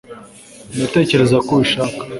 ndatekereza ko ubishaka